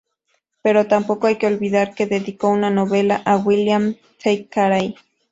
Pero tampoco hay que olvidar que dedicó una novela a William M. Thackeray.